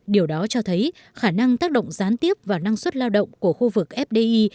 điều đó cho thấy khả năng tác động gián tiếp vào năng suất lao động của khu vực fdi